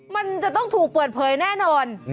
มันจะต้องถูกเปิดเผยแน่นอน